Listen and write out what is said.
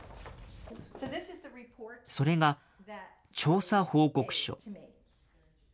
それが、調査報告書。